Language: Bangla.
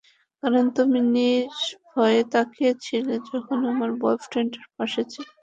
কারণ তুমি নির্ভয়ে তাকিয়ে ছিলে যখনআমার বয়ফ্রেন্ডের পাশে ছিল।